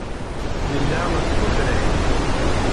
Nella deg ufrag.